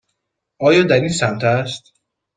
آیا در این سمت است؟